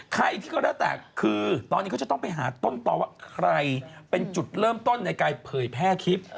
ใครที่ก็แล้วแต่คือตอนนี้เขาจะต้องไปหาต้นต่อว่าใครเป็นจุดเริ่มต้นในการเผยแพร่คลิป